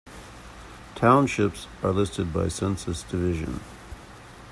Townships are listed by census division.